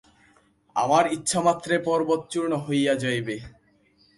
আমার ইচ্ছামাত্রে পর্বত চূর্ণ হইয়া যাইবে।